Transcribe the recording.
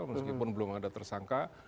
meskipun belum ada tersangka